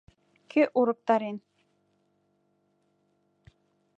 Кӧ урыктарен?